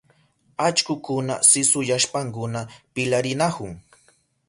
Allkukuna sisuyashpankuna pilarinahun.